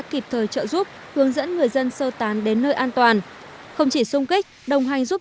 kịp thời trợ giúp hướng dẫn người dân sơ tán đến nơi an toàn không chỉ sung kích đồng hành giúp